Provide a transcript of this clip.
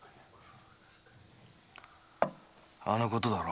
あのことだろ。